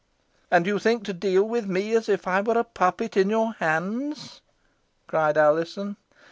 "And you think to deal with me as if I were a puppet in your hands?" cried Alizon.